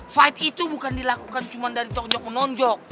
fight itu bukan dilakukan cuma dari tuk tuk menonjok